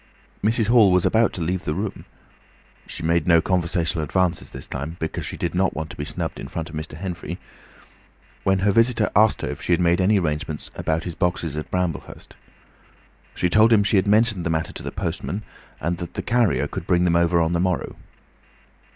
Mrs. Hall was about to leave the room—she made no conversational advances this time, because she did not want to be snubbed in front of Mr. Henfrey—when her visitor asked her if she had made any arrangements about his boxes at Bramblehurst. She told him she had mentioned the matter to the postman, and that the carrier could bring them over on the morrow.